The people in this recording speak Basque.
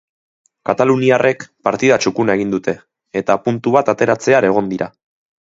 Kataluniarrek partida txukuna egin dute eta puntu bat ateratzear egon dira.